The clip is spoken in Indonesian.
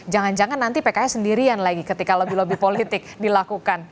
jangan jangan nanti pks sendirian lagi ketika lobby lobby politik dilakukan